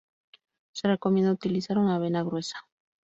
Se recomienda utilizar una vena gruesa.